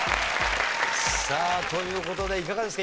さあという事でいかがですか？